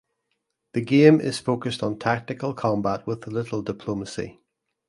The game is focused on tactical combat with little diplomacy.